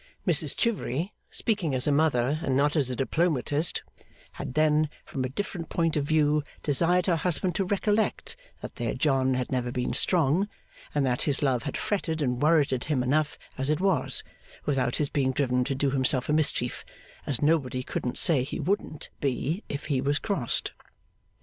Mrs Chivery, speaking as a mother and not as a diplomatist, had then, from a different point of view, desired her husband to recollect that their John had never been strong, and that his love had fretted and worrited him enough as it was, without his being driven to do himself a mischief, as nobody couldn't say he wouldn't be if he was crossed.